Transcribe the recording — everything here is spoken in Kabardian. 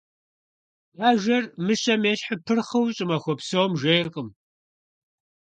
Бажэр мыщэм ещхьу пырхъыу щӏымахуэ псом жейркъым.